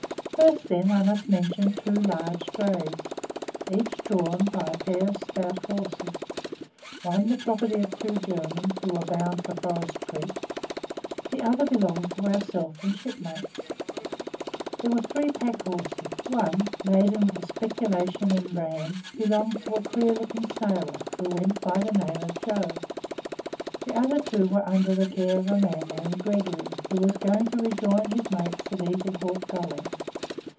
First then, I must mention two large drays, each drawn by a pair of stout horses one the property of two Germans, who were bound for Forest Creek, the other belonged to ourselves and shipmates. There were three pack horses one (laden with a speculation in bran) belonged to a queer looking sailor, who went by the name of Joe, the other two were under the care of a man named Gregory, who was going to rejoin his mates at Eagle Hawk Gully.